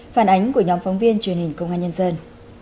phản ánh của nhóm phóng viên truyền hình công an nhân dân